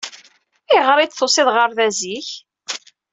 Ayɣer ay d-tusiḍ ɣer da zik?